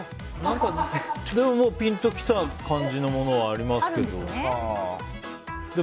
もうピンと来た感じのものはありますけど。